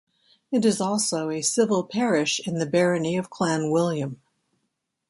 It is also a civil parish in the barony of Clanwilliam.